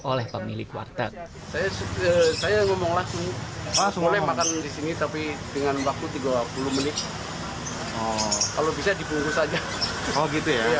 oleh pemilik warteg